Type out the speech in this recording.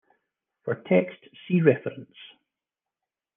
For text see reference.